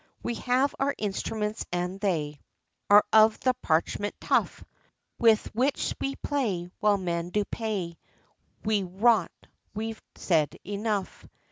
We have our instruments, and they Are of the parchment tough, With which we play, while men do pay, We wot we've said enough.